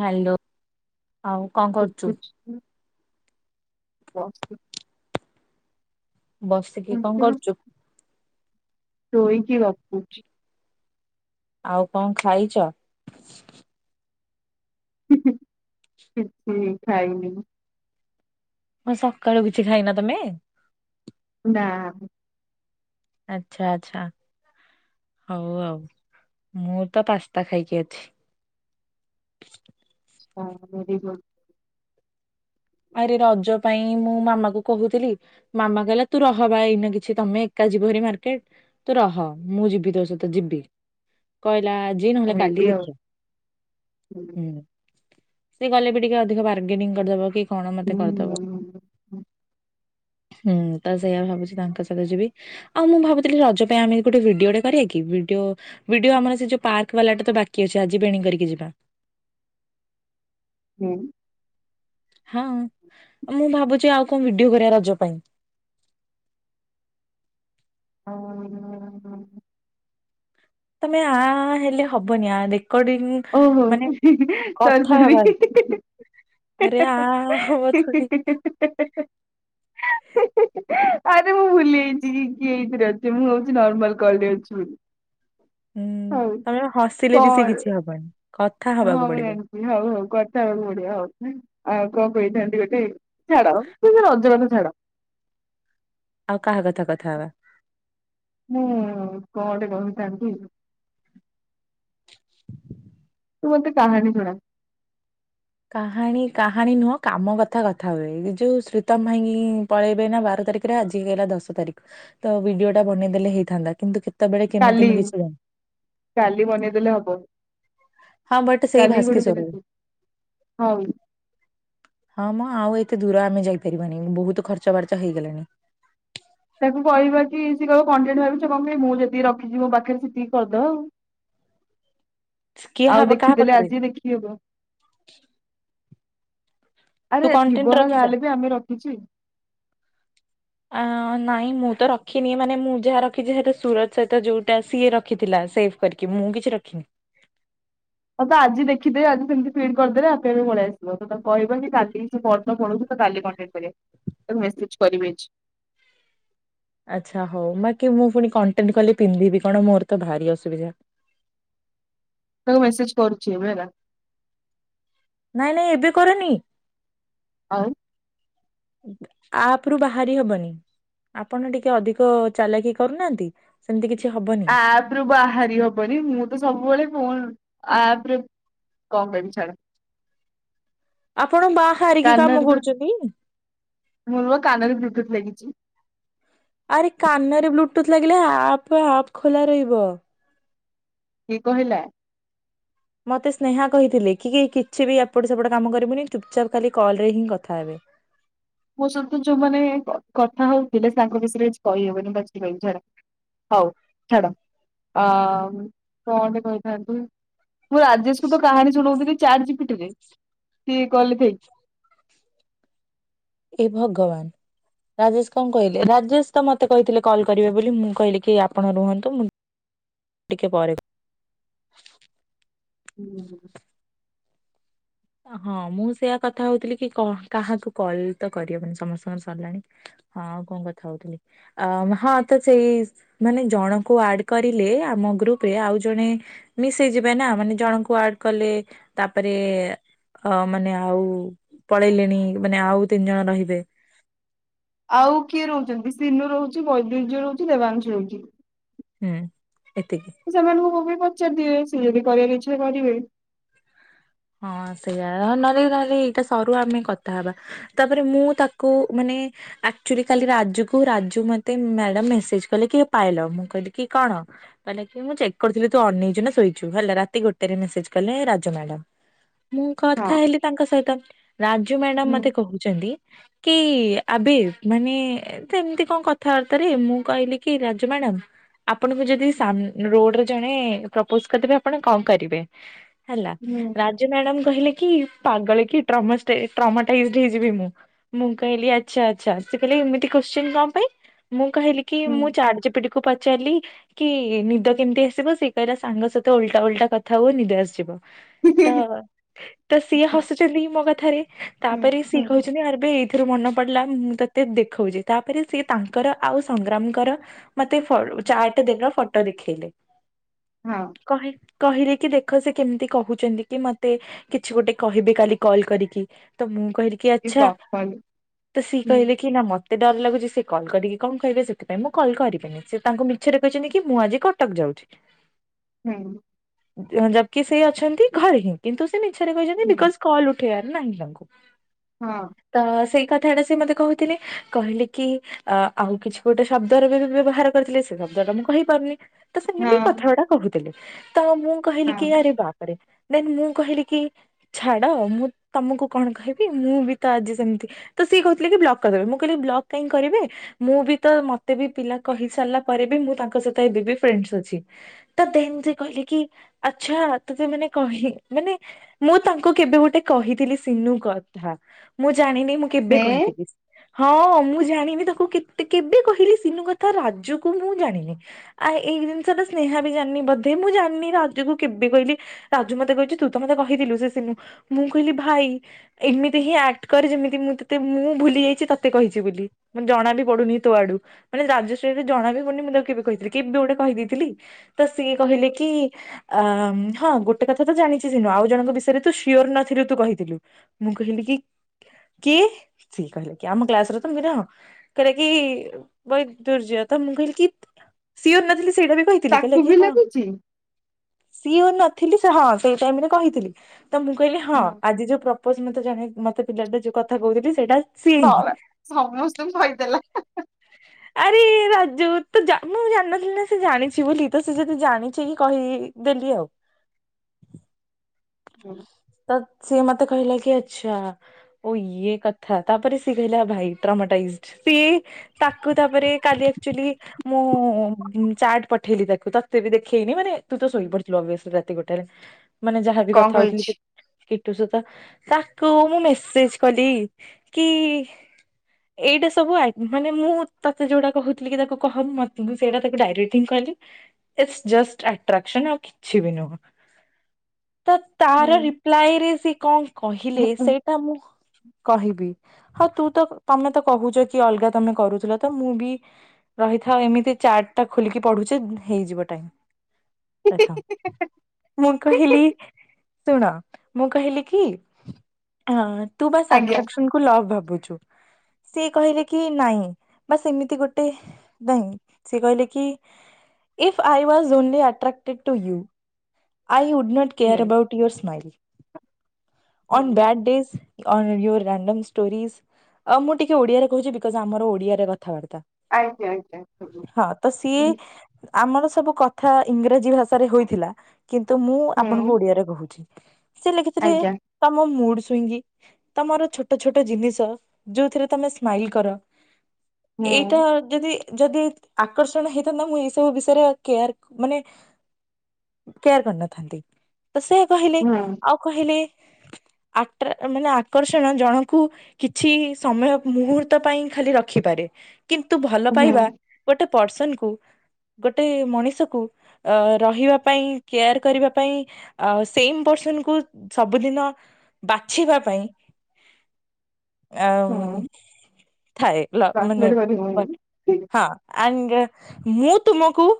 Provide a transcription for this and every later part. Hello ହଉ। [unintelligible] ବସିକି କଣ କରୁଚୁ? ଶୋଇକି ଗପୁଚି। ଆଉ କଣ ଖାଇଚ? କିଛି ବି ଖାଇିନି। କଣ ସକାଳୁ କିଛି ଖାଇନ ତମେ? ନା। ଆଚ୍ଛା ଆଚ୍ଛା ହଉ ଆଉ। ମୁଁ ତ ପାସ୍ତା ଖାଇକି ଅଛି। କଣ କରିବ? ଆରେ ରଜ ପାଇଁ ମୁଁ ମାମା କୁ କହୁଥିଲି ମାମା କହିଲା ତୁ ରହବା ଏଇନା କିଛି ତମେ ଏକା ଯିବ ହରି ମାର୍କେଟ? ତୁ ରହ ମୁଁ ଯିବି ତୋ ସହିତ ଯିବି। କହିଲା ଆଜି ନହେଲେ କାଲି ଆଉ ଦେଖିବା ହୁଁ। ସେ ଗଲେ ବି ଟିକେ ଅଧିକ ବାର୍ଗେନିଂ କରିଦବ କି କଣ ମତେ କରିଦବ। ହୁଁ। ହୁଁ ତ ସେଇଆ ଭାବୁଚି ତାଙ୍କ ସହିତ ଯିବି। ଆଉ ମୁଁ ଭାବୁଥିଲି ରଜ ପାଇଁ ଆମେ ଗୋଟେ ଭିଡିଓ ଟେ କରିବା କି ଭିଡିଓ ଭିଡିଓ ଆମର ସେ ଯୋଉ ପାର୍କ ବାଲା ଟେ ତ ବାକି ଅଛି ଆଜି ବେଣୀ କରିକି ଯିବା। ହୁଁ। ହଁ ମୁଁ ଭାବୁଚି ଆଉ କଣ ଭିଡିଓ କରିବା ରଜ ପାଇଁ। ଆ ତମେ ଆ ଆ ହେଲେ ହବନି ଆ ରେକର୍ଡିଙ୍ଗ୍ ଓହୋ ସରି ସରି। [unintelligible] ଆ ଆରେ ହବ ମୁଁ ଥୋଡି ଭୁଲି ଯାଇଚି କି ଏଇଥିରେ ଅଛି, ମୁଁ ଭାବୁଚି ନର୍ମାଲ କଲରେ ଅଛି ବୋଲି। ହଁ [unintelligible] ହୁଁ ତମେ ହସିଲେ ବି ସେ କିଛି କଣ ହବନି। କଥା ହବାକୁ ହଁ ମୁଁ ପଡିବ ଜାଣିଚି। ହଉ ହଉ କଥା ହେବାକୁ ପଡ଼ିବ ନେଇ, ଆଉ କଣ କହିଥାନ୍ତି ଗୋଟେ ଛାଡ ସେ ସେ ରଜ କଥା ଛାଡ। ଆଉ କାହା କଥା କଥା ହବା? ମୁଁ କଁ ଗୋଟେ କହିଥାନ୍ତି। ତୁ ମୋତେ କାହାଣୀ ଶୁଣା। କାହାଣୀ କାହାଣୀ ନୁହଁ କାମ କଥା କଥା ହୁଏ ଏ ଯୋଉ ଶ୍ରୀତମ ଭାଇ ପଳେଇବେ ନା ବାର ତାରିଖରେ ଆଜି ହେଇଗଲା ଦଶ ତାରିଖ। ତ ଭିଡିଓ ଟା ବନେଇ ଦେେଲେ ହେଇଥାନ୍ତା କିନ୍ତୁ କେ ତେବେଳେ କେମିତି କାଲି ମୁ କିଛି ଯା କାଲି ବନେଇଦେଲେ ହବ। ହଁ ବଟ ସେଇ କାଲି ଗୋଟେ ଭାସ୍କି ଦିନ ସବରେ। ତୁ ହଉ ହଁ ମ ଆଉ ଏତେ ଦୂର ଆମେ ଯାଇପାରିବୁନି ବହୁତ ଖର୍ଚ୍ଚ ବାର୍ଚ୍ଚ ହେଇଗଲାଣି। ତାକୁ କହିବା କି ସେ କହିବ କଣ୍ଟେଟ ଭାବିଚ କଣ ପାଇଁ? ମୁଁ ଯେତିକି ରଖିଚି ମୋ ପାଖରେ ସେତିକି କରିଦବା ଆଉ। କିଏ ଆଉ ହବ କାହା ଦେଖିଦଲେ ପାଖରେ ଆଜି ଦେଖି ହବ। ତୁ ଆରେ କଣ୍ଟେଣ୍ଟ ଥିବନା ଯାହା ରଖିଛ ହେଲେ ବି ଆମେ ରଖିଚି। ଆଁ ନାଇଁ ମୁଁ ତ ରଖିନି ମାନେ ମୁଁ ଯାହା ରଖିଚି ସେଟା ସୁରଜ ସହିତ ଯେଉଁଟା ସିଏ ରଖିଥିଲା ସେ ଫ୍ କରିକି ମୁଁ କିଛି ରଖିନି। ହଁ ବା ଆଜି ଦେଖିଦେବେ। ଆଜି ସେମିତି ଫିଡ କରିଦେଲେ ଆପେ ପଳେଇ ଆସିବ ତ ତ କହିବନି କି କାଲି ସେ ପାଠ ପଢୁଥିବ କାଲି କଣ୍ଟେଣ୍ଟ କରିବ ତାକୁ ମେସେଜ କରିବେ [unintelligible] ଆଚ୍ଛା ହଉ ବାକି ମୁଁ ପୁଣି କଣ୍ଟେଣ୍ଟ କଲେ ପିନ୍ଧିବି କଣ? ମୋର ତ ଭାରି ଅସୁବିଧା। ତାକୁ ମେସେଜ କରୁଛି ଏବେ ହେଲା। ନାଇଁ ନାଇଁ ଏବେ କରନି। ଆଉ। ଆପ ରୁ ବାହାରି ହବନି ଆପଣ ଟିକେ ଅଧିକ ଚାଲାକି କରୁନାହାନ୍ତି। ସେମିତି କିଛି ହବନି। ଆପ ରୁ ବାହାରି ହବନି ମୁଁ ତ ସବୁବେଳେ ଫୋନ ଆପରେ। କଣ କହିମି ଛାଡ। ଆପଣ ବାହାରିକି କାନରେ କାମ ବା କରୁଛନ୍ତି? ମୋର ପା କାନରେ ବ୍ଲୁ ଟୁଥ ଲାଗିଛି। ଆରେ କାନରେ ବ୍ଲୁଟୁଥ୍ ଲାଗିଲେ ଆପ୍ ଆପ୍ ଖୋଲା ରହିବ। କିଏ କହିଲା? ମୋତେ ସ୍ନେହା କହିଥିଲେ କି କି କିଛି ବି ଏପଟ ସେପଟ କାମ କରିବୁନି ଚୁପଚାପ୍ ଖାଲି କଲ ରେ ହିଁ କଥା ହେବେ। ମୋ ସହିତ ଯୋଉମାନେ କ-କଥା ହଉଥିଲେ ତାଙ୍କ ବିଷୟରେ କିଛି କହିହବନି ପଛରେ କହିବି ଛାଡ। ହଉ ଛାଡ ଆ କଣ ଗୋଟେ କହିଥାନ୍ତି। ମୁଁ ରାଜେଶ କୁ ତ କାହାଣୀ ଶୁଣଉଥିଲି ଚାଟ ଜି ପି ଟି ରେ ସିଏ କଲ ରେ ଥାଇ। ଏ ଭଗବାନ। ରାଜେଶ କଣ କହିଲେ ରାଜେଶ ତ ମତେ କହିଥିଲେ କଲ୍ କରିବେ ବୋଲି ମୁଁ କହିଲି କି ଆପଣ ରୁହନ୍ତୁ ମୁଁ ଟିକେ ପରେ ହୁଁ ହୁଁ ହୁଁ। ହଁ ମୁଁ ସେଇୟା କଥା ହଉଥିଲି କି କ କାହାକୁ କଲ ତ କରିହବନି ସମସ୍ତଙ୍କର ସରିଲାଣି। ହଁ ଆଉ କଣ କଥା ହଉଥିଲି ଆ ହଁ ତ ସେଇ। ମାନେ ଜଣକୁ ଆଡ କରିଲେ ଆମ ଗ୍ରୁପରେ ଆଉ ଜଣେ। ମିସ୍ ହେଇଯିବେ ନା ମାନେ ଜଣଙ୍କୁ ଆଡ କଲେ ତାପରେ। ଅ ମାନେ ଆଉ ପଳେଇଲେଣି ମାନେ ଆଉ ତିନି ଜଣ ରହିବେ। ଆଉ କିଏ ରହୁଛନ୍ତି ସିନୁ ରହୁଛି ବୈଦଜ ରହୁଛି ଦେବାଂଶୁ ରହୁଛି। ହୁଁ ଏତିକି। ସେମାନଙ୍କୁ ମୁଁ ବି ପଚାରିଦିଏ ସିଏ ଯଦି କରିବାର ଇଚ୍ଛା କରିବେ। ହଁ ସେଇଆ ନହେଲେ ନହେଲେ ଏଇଟା ସରୁ ଆମେ କଥା ହବା। ତାପରେ ମୁଁ ତାକୁ ମାନେ। ଆକଚୁଆଲି କାଲି ରାଜୁକୁ ରାଜୁ ମତେ ମ୍ୟାଡାମ ମେସେଜ କଲେ କି ପାଇଲ। ମୁଁ କହିଲି କି କଣ? କହିଲା କି ମୁଁ ଚେକ୍ କରୁଥିଲି ତୁ ଅନେଇଚୁ ନା ଶୋଇଛୁ ହେଲା ରାତି ଗୋଟେରେ ମେସେଜ କଲେ ରାଜୁ ମ୍ୟାଡ଼ାମ। ମୁଁ ହଁ କଥା ହେଲି ତାଙ୍କ ସହିତ ରାଜୁ ମ୍ୟାଡାମ ହୁଁ ମତେ କହୁଛନ୍ତି। କି ଆବେ ମାନେ। ସେମିତି କଣ କଥାବାର୍ତ୍ତାରେ ମୁଁ କହିଲି କି ରାଜୁ ମ୍ୟାଡ଼ାମ। ଆପଣଙ୍କୁ ଯଦି ସାମ୍ ରୋଡ୍ରେ ଜଣେ ପ୍ରପୋଜ କରିଦେବେ ଆପଣ କଣ କରିବେ? ହେଲା ହୁଁ ରାଜୁ ମ୍ୟାଡ଼ାମ କହିଲେ କି ପାଗଳ କି ଟ୍ରମଷ୍ଟ ଟ୍ରମାଟାଇଯଡ ହେଇଯିବି ମୁଁ। ମୁଁ କହିଲି ଆଚ୍ଛା ଆଚ୍ଛା ସେ କହିଲେ ଏମିତି କୋଶ୍ଚିନ କଣ ପାଇଁ ମୁଁ କହିଲି କି ହୁଁ ମୁଁ ଚାଟ୍ ଜି ପି ଟି। କୁ ପଚାରିଲି। କି ନିଦ କେମିତି ଆସିବ ସେ କହିଲା ସାଙ୍ଗ ସହିତ ଓଲଟା ଓଲଟା କଥା ହୁଅ ନିଦ ଆସିଯିବ। ତ ତ ସିଏ ହସୁଛନ୍ତି ମୋ କଥାରେ ହୁଁ ତାପରେ ହୁଁ ସିଏ କହୁଛନ୍ତି ଆରେ ଭାଇ ଏ ଏଥିରୁ ମନ ପଡ଼ିଲା ମୁଁ ତତେ ଦେଖଉଛି ତାପରେ ସିଏ ତାଙ୍କର ଆଉ ସଂଗ୍ରାମଙ୍କର। ମତେ ଫ ଚାଟ [unintelligible] ଫଟୋ ଦେଖେଇଲେ। ହଁ। କହି କହିଲେ କି ଦେଖ ସେ କେମ୍ତି କହୁଚନ୍ତି। କି ମତେ କିଛି ଗୋଟେ କହିବେ କାଲି କଲ୍ କରିକି ତ ମୁଁ କହିଲି କି ଏ ଆଚ୍ଛା ବାପା ଲୋ ତ ସିଏ ହୁଁ କହିଲେ କି ନା ମ ତେ ଡର୍ ଲାଗୁଚି ସେ କଲ୍ କରିକି କଁ କହିବେ ସେଥିପାଇଁ ମୁଁ କଲ୍ କରିବିନି ସେ ତାଙ୍କୁ ମିଛରେ କହିଛନ୍ତି କି ମୁଁ ଆଜି କଟକ ଯାଉଛି। ହୁଁ ଜ ଜକିସ୍ ଭାଇ ଅଛନ୍ତି ଘରେ ହିଁ କିନ୍ତୁ ସେ ମିଛରେ କହିଛନ୍ତି ହୁଁ ବିକଜ୍ କଲ୍ ଉଠେଇଆର୍ ନାହିଁ ତାଙ୍କୁ। ହଁ। ତ ସେଇ କଥାଟା ସେ ମତେ କହୁଥିଲେ କହିଲେ କି ଆ ଆଉ କିଛି ଗୋଟେ ଶବ୍ଦର ବି ବ୍ୟବହାର କରିଥିଲେ ସେ ଶବ୍ଦ ଟା ମୁଁ କହିପାରୁନି। ତ ସେମିତି ହଁ କଥା ଗୁଡା କହୁଥିଲେ ତ ମୁଁ କହିଲି କି ହଁ ଆରେ ବାପରେ ଦେନ୍ ମୁଁ କହିଲି କି ଛାଡ ମୁଁ ତମକୁ କଣ କହିବି ମୁଁ ବି ତ ଆଜି ସେମ୍ତି ତ ସିଏ କହୁଥିଲେ କି ବ୍ଲକ୍ କରିଦେବେ, ମୁଁ କହିଲି ବ୍ଲକ୍ କାଇଁ କରିବେ ମୁଁ ବି ତ ମତେ ବି ପିଲା କହି ସାରିଲା ପରେ ବି ମୁଁ ତାଙ୍କ ସହିତ ଏବେ ବି ଫ୍ରେଣ୍ଡସ୍ ଅଛି। ତା ଦେନ୍ ସେ କହିଲେ କି ଆଚ୍ଛା ତତେ ମାନେ କହିଁ ମାନେ ମୁଁ ତାଙ୍କୁ କେବେ ଗୋଟେ କହିଥିଲି ସିନୁ କଥା ମୁଁ ଜାଣିନି ମୁଁ କେବେ ହେଁ କହିଥିଲି। ହଁ ମୁଁ ଜାଣିନି ତାକୁ କେତେ କେବେ କହିଲି ସିନୁ କଥା ରାଜୁକୁ ମୁଁ ଜାଣିନି। ଆ ଏଇ ଜିନିଷଟା ସ୍ନେହା ବି ଜାଣିନି ବୋଧେ ମୁଁ ଜାଣିନି ରାଜୁକୁ କେବେ କଇଲି ରାଜୁ ମତେ କହିଚି ତୁ ତ ମତେ କହିଥିଲୁ ସେ ସିନୁ ମୁଁ କହିଲି ଭାଇ ଏମିତି ହିଁ ଆକ୍ଟ କରେ ଯେମିତି ମୁଁ ତତେ ମୁଁ ଭୁଲି ଯାଇଚି ତତେ କହିଚି ବୋଲି। ମୁଁ ଜଣା ବି ପଡୁନି ତୋ ଆଡୁ ମାନେ ରାଜଶ୍ରୀରେ ଜଣା ବି ପଡୁନି ମୁଁ ତାକୁ କେବେ କହିଥିଲି କେବେ ଗୋଟେ କହି ଦେଇଥିଲି ତ ସିଏ କହିଲେ କି ଆମ୍ ହଁ ଗୋ ଗୋଟେ କଥା ତ ଜାଣିଚି ସିନୁ ଆଉ ଜଣଙ୍କ ବିଷୟରେ ତୁ ସିଓର୍ ନଥିଲୁ ତୁ କହିଥିଲୁ, ମୁଁ କହିଲି କି କିଏ ସିଏ କହିଲା କି ଆମ କ୍ଲାସ୍ ର ତ ମିର କହିଲା କି ବୈଦୁର୍ଯ୍ୟ ତ ମୁଁ କହିଲି କି ସିଓର୍ ନଥିଲି ସେଇଟା ବି କହି ଥିଲି କଇଲା ତାକୁ କି ବି ହଁ ଲାଗୁଛି ସିଓର୍ ନଥିଲି ସେ ହଁ ସେଇ ଟାଇମ୍ ରେ କହିଥିଲି। ତ ମୁଁ କହିଲି ହଁ ଆଜି ଯୋଉ ପ୍ରପୋଜ୍ ମତେ ଜଣେ ମତେ ପିଲାଟା ଯୋଉ କଥା କହୁଥିଲି ସେଟା ହଁ ବା ସମସ୍ତଙ୍କୁ କହିଦେଲା ହାଁ ହାଁ ଆରେ ରାଜୁ ତ ଜା ମୁଁ ଜାଣିନଥିଲି ନା ସେ ଜାଣିଛି ବୋଲି ତ ସେ ଯଦି ଜାଣିଛି କି କହିଦେଲି ଆଉ। [inaudible] [unintelligible] ତ ସିଏ ମତେ କହିଲା କି ଆଚ୍ଛା ଓ ଇଏ କଥା ତାପରେ ସିଏ କହିଲା ଭାଇ ଟ୍ରାମାଟାଇଜ୍ଡ୍ ପି ତାକୁ ତାପରେ କାଲି ଆକ୍ଚୁଆଲି ମୁଁ ହୁଁ ଚାଟ୍ ପଠେଇଲି ତାକୁ ତତେ ବି ଦେଖେଇନି ମାନେ ତୁ ତ ଶୋଇପଡିଥିଲୁ ଅବିଅସ୍ଲି ରାତି ଗୋଟାରେ ହ ମାନେ ଯାହା ବି କଥା ହଉଥିଲି କି କୀଟୁ ସତା ତାକୁ ମୁଁ ମେସେଜ୍ କଲି କି ଏଇଟା ସବୁ ଆଏ ମାନେ ମୁଁ ତତେ ଯୋଉଟା କହୁଥିଲି କିି ତାକୁ କହ ମତେ କିନ୍ତୁ ସେଇଟା ତାକୁ ଡାଇରେ ତିଂ କହିଲି ଇସ୍ ଜଷ୍ଟ ଆଟ୍ରାକ୍ସନ୍ ଆଉ କିଛି ବି ନୁହଁ ତ ତାର ହୁଁ ରିପ୍ଲାଏ ରେ ସେ କଁ କହିଲେ ହୁଁ ହୁଁ। ସେଇଟା ମୁଁ କହିବି ହଁ ତୁ ତ ତମେ ତ କହୁଛ କି ଅଲ୍ଗା ତମେ କରୁଥିଲ ତ ମୁଁ ବି ରହିଥା ଏମିତି ଚାଟ୍ ଟା ଖୋଲିକି ପଢୁଚି ହେଇଯିବ ଟାଇମ୍। ଥା ମୁଁ କହିଲି ଶୁଣ। ମୁଁ କହିଲିକି ତୁ ବାସ୍ ଆଜ୍ଞା ଆଟ୍ରାକ୍ସନ୍ କୁ ଲଭ୍ ଭାବୁଚୁ। ସିଏ କହିଲାକି ନାଇଁ ବାସ୍ ଏମିତି ଗୋଟେ ନାଇଁ ସେ କହିଲେକି if I was only attracted to you. I would not care about your smile. On ହୁଁ, bad days on your random stories ଆ ମୁ ଟିକେ ଓଡ଼ିଆରେ କହୁଚି ବିକଜ୍ ଆମର ଓଡିଆରେ କଥାବାର୍ତ୍ତା। ଆଜ୍ଞା ଆଜ୍ଞା ହୁଁ ହଁ ତ ସିଏ ଆମର ସବୁ କଥା ଇଂରାଜୀ ଭାଷାରେ ହୋଇଥିଲା କିନ୍ତୁ ମୁଁ ଆପଣଙ୍କୁ ହୁଁ, ଓଡିଆରେ କହୁଛି। ସେ ଲେଖିଥିଲେ ଆଜ୍ଞା ତମ ମୁଡ୍ ସ୍ଵିଙ୍ଗି। ତମର ଛୋଟ ଛୋଟ ଜିନିଷ ଯୋଉଥିରେ ତମେ ସ୍ମାଇଲ କର ହୁଁ ଏଇଟା ଯଦି ଯଦି ଆକର୍ଷଣ ହେଇଥାନ୍ତା ମୁଁ ଏଇସବୁ ବିଷୟରେ କେୟାର ମାନେ କେୟାର କରିନଥାନ୍ତି ତସେ କହିଲେ ହୁଁ ଆଉ କହିଲେ ଆଟ୍ରା ମାନେ ଆକର୍ଷଣ ଜଣଙ୍କୁ କିଛି ସମୟ ମୁହୂର୍ତ୍ତ ପାଇଁ ଖାଲି ରଖିପାରେ କିନ୍ତୁ ଭଲ ହୁଁ ପାଇବା ଗୋଟେ ପର୍ସନ୍ କୁ ଗୋଟେ ମଣିଷକୁ ଅ ରହିବା ପାଇଁ କେୟାର କରିବା ପାଇଁ ଆ ସେମ୍ ପର୍ସନ୍ କୁ ସବୁଦିନ ବାଛିବା ପାଇଁ ଆ ମ୍ ହୁଁ ଥାଏ ଲ ମାନେ ଟ୍ରାନ୍ସଲେଟ କରିହବନି ବଟ୍ ହଁ ଆଣ୍ଡେ ମୁଁ ତୁମକୁ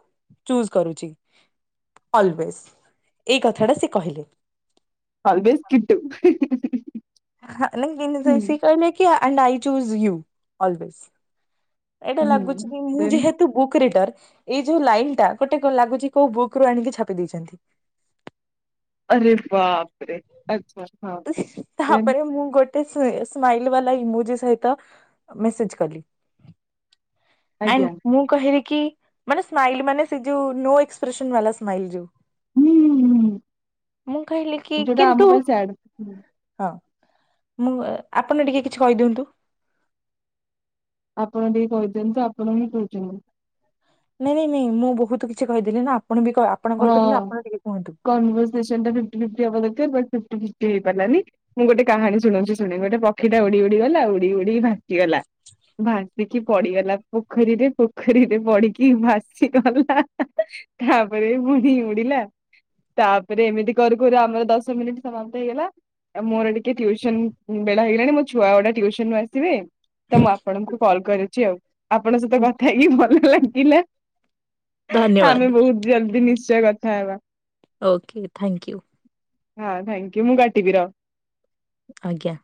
ଚୁଜ୍ କରୁଚି। ଅଲ୍ୱେସ୍ ଏଇ କଥାଟା ସେକହିଲେ। ଅଲ୍ୱେସ୍ କିଟୁ। [unintelligible] ହୁଁ ସେ କହିଲେ କି ଅନ୍ଆଈ ଚୁଯ୍ ୟୁ ଅଲ୍ଲୱେସ୍। ଏଇଟା ହୁଁ ଲାଗୁଚିକି ମୁଁ ଦେନ୍ ଯେହେତୁ ବୁକ୍ ରିଡର୍। ଏଇ ଯୋଉ ଲାଇନ୍ ଟା ଗୋଟେ କୁ ଲାଗୁଚି କୋଉ ବୁକ୍ ରୁ ଆଣିକି ଛାପି ଦେଇଚନ୍ତି। ଆରେ ବାପ୍ରେ [unintelligible] ତାପରେ ମୁଁ ଗୋଟେ ସେ ସ୍ମାଇଲ ବାଲା ଇମୋଜ ସହିତ ମେସେଜ୍ କଲି। ଆଜ୍ଞା ଆଣ୍ଡ୍ ମୁଁ କହିଲିକି ମାନେ ସ୍ମାଇଲ୍ ମାନେ ସେ ଯୋଉ ନୋ ଏକ୍ସପ୍ରେସନ ବାଲା ସ୍ମାଇଲ୍ ଯୋଉ। ହୁଁ ମୁଁ କହିଲିକି କିନ୍ତୁ। ହୁଁ। [inaudible] ମୁଁ ଏ ଆପନ ଟିକେ କିଛି କହିଦିଅନ୍ତୁ। ଆପଣ ଟିକେ କହିଦିଅନ୍ତୁ ଆପଣ ହଁ କହୁଚନ୍ତି। ନାଇଁ ନାଇଁ ନାଇଁ ମୁଁ ବହୁତ୍ କିଛି କହିଦେଲିନା ଆପଣବି ଆପଣ କଲ୍ କରିଚନ୍ତି ଆପଣ ଟିକେ କୁହନ୍ତୁ। ରିସେଣ୍ଡା ଫିପ୍ଟି ଫିପ୍ଟି ହବାକଥ ବଟ୍ ହେଇପାରିଲାନି। ମୁଁ ଗୋଟେ କାହାଣୀ ଶୁଣଉଛି ଶୁଣି ଗୋଟେ ପକ୍ଷୀଟା ଉଡ଼ି ଉଡ଼ି ଗଲା ଉଡ଼ି ଉଡ଼ି ଭାସିଗଲା ଭା ରିଖି ପଡ଼ିଗଲା ପୋଖରୀରେ ପୋଖରୀରେ ପଡ଼ିଚି ଭସିଗଲା ତା ପରେ [unintelligible] ଉଡ଼ିଲା ତାପରେ ଏମିତି କରୁ କରୁ ଆମର ଦଶ ମିନିଟ୍ ସାମାପ୍ତ ହେଇଗଲା। ଆଉ ମୋର ଟିକେ ଟିଉସନ୍ ବେଳା ହେଇଗଲାଣି ମୋ ଛୁଆଅଡ଼ା ଟ୍ଟ୍ୟୁସନ୍ ରୁ ଆସିବେ ତ ମୁଁ ଆପଣଙ୍କୁ କଲ କରିୁଚି ଆଉ ଆପଣଙ୍କ ସହିତ କଥା ହେଇକି ଭଲ ଲାଗିଲା। ଏ ଆମେ ଧନ୍ୟବାଦ ବହୁତ ଜଲ୍ଦି ନିଶ୍ଚୟ କଥା ହେବା। Okay thank you. ହଁ ଥ୍ୟାଙ୍କୟୁ ମୁଁ କାଟିବି ର ଆଜ୍ଞା।